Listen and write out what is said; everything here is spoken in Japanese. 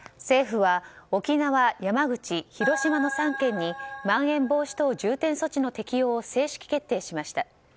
政府は沖縄、山口、広島の３県にまん延防止等重点措置の適用を正式決定しました。